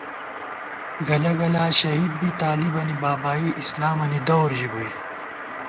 گلہ گلا شہید بی طالِبَنی بابائی اسلامَنی دور ژِبُوئی